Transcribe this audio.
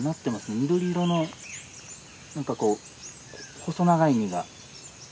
緑色の何かこう細長い実が。